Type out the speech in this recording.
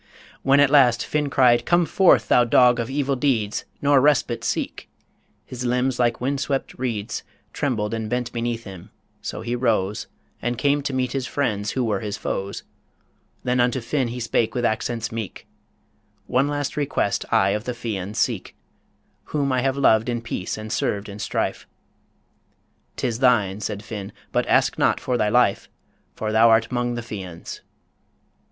When at last Finn cried, "Come forth, thou dog of evil deeds, Nor respite seek!" ... His limbs like wind swept reeds Trembled and bent beneath him; so he rose And came to meet his friends who were his foes Then unto Finn he spake with accents meek, "One last request I of the Fians seek, Whom I have loved in peace and served in strife" "'Tis thine," said Finn, "but ask not for thy life, For thou art 'mong the Fians."